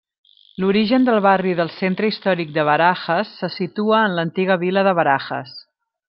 L'origen del barri del centre històric de Barajas se situa en l'antiga vila de Barajas.